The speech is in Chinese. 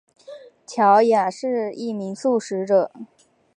乔雅是一名素食者。